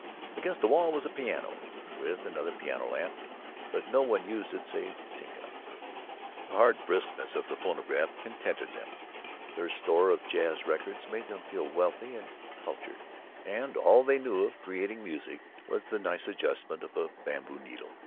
Against the wall was a piano, with another piano lamp, but no one used it save Tinka. The hard briskness of the phonograph contented them; their store of jazz records made them feel wealthy and cultured; and all they knew of creating music was the nice adjustment of a bamboo needle.